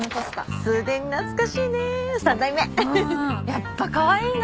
やっぱかわいいな。